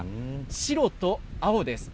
白と青です。